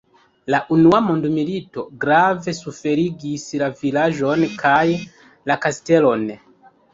La unua mondmilito grave suferigis la vilaĝon kaj la kastelon.